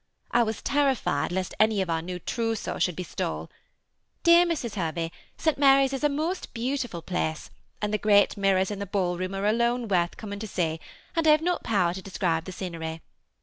I was terrified lest any of our new troosso should be stole. Dear Mrs. Hervey, St. Mary's is a most beautiful 56 THE SEMI ATTACHED COUPLE. place, and the great mirrors in the ball room are alone worth coming to see, and I have not power to describe the scenery.